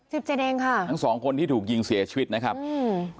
สิบเจ็ดเองค่ะทั้งสองคนที่ถูกยิงเสียชีวิตนะครับอืม